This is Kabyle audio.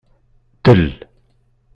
Del.